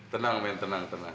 tenang men tenang tenang